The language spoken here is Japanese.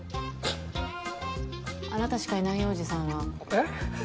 あなたしかいないよおじさんは。え？